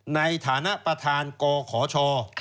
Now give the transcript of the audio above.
ในฐานะประธานกขช